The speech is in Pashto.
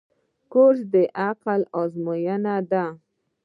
کورس د عقل آزموینه ده.